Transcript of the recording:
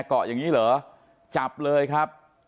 เกาะอย่างนี้เหรอจับเลยครับ